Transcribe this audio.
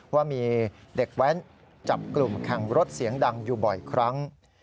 ว่ามีเด็กแว้นจับกลุ่มแข่งรถเสียงดังอยู่บ่อยครั้ง